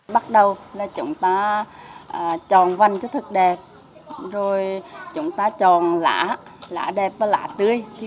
bắt đầu là chúng ta tròn vành cho thật đẹp rồi chúng ta tròn lá đẹp và lá tươi